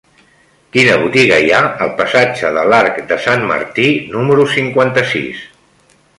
Quina botiga hi ha al passatge de l'Arc de Sant Martí número cinquanta-sis?